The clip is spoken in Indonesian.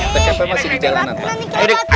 tkp masih di jalanan pak